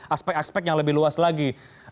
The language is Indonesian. aspek aspek yang lebih luas lagi